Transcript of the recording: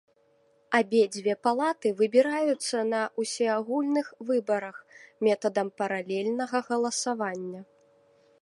Абедзве палаты выбіраюцца на ўсеагульных выбарах, метадам паралельнага галасавання.